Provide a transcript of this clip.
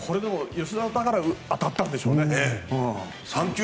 吉田選手だから当たったんでしょうね。